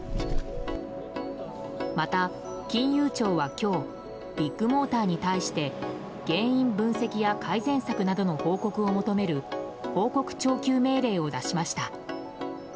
また、金融庁は今日ビッグモーターに対して原因分析や改善策などの報告を求める報告徴求命令を出しました。